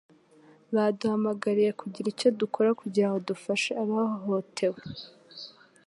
Baduhamagariye kugira icyo dukora kugirango dufashe abahohotewe.